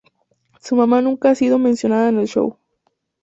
Su mamá nunca ha sido mencionada en el show.